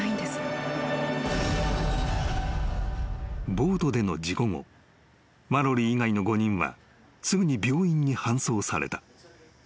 ［ボートでの事故後マロリー以外の５人はすぐに病院に搬送された］